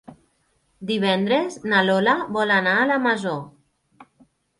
Divendres na Lola vol anar a la Masó.